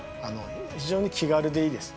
非常に気軽でいいです。